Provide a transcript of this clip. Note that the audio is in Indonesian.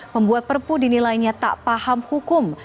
membuat perpu dinilainya tak paham hukum